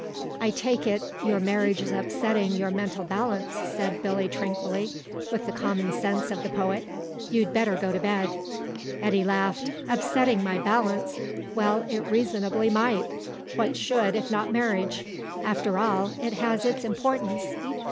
"I take it your marriage is upsetting your mental balance," said Billy tranquilly, with the common sense of the poet. "You'd better go to bed." Eddy laughed. "Upsetting my balance! Well, it reasonably might. What should, if not marriage? After all, it has its importance.